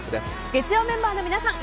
月曜メンバーの皆さん